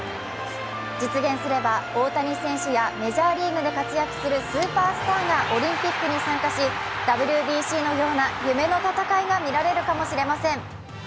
実現すれば、大谷選手やメジャーリーグで活躍するスーパースターがオリンピックに参加し、ＷＢＣのような夢の戦いが見られるかもしれません。